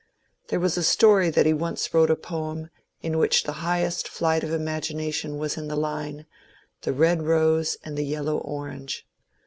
There was a story that he once wrote a poem, in which the highest flight of imagination was in the line, ^^ The red rose and the yellow orange."